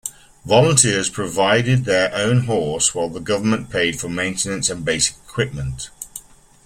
Volunteers provided their own horse while the government paid for maintenance and basic equipment.